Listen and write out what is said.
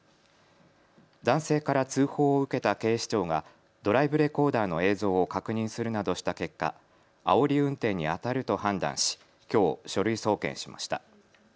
男性から通報を受けた警視庁がドライブレコーダーの映像を確認するなどした結果、あおり運転にあたると判断しきょう書類送検しました。